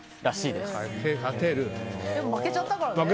でも負けちゃったからね。